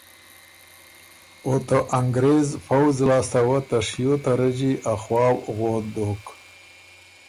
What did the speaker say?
او ته انګرېز پؤځ لاسته وه ته شیو ته رݫی ا خواؤ غون دوک۔